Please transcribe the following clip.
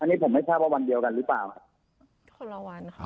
อันนี้ผมไม่ทราบว่าวันเดียวกันหรือเปล่า